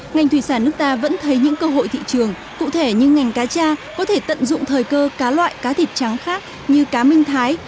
ngành thủy sản nước ta vẫn thấy những cơ hội thị trường cụ thể như ngành cá cha có thể tận dụng thời cơ cá loại cá thịt trắng khác như cá minh thái